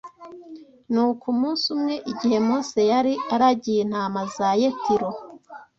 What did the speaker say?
Nuko umunsi umwe igihe Mose yari aragiye intama za Yetiro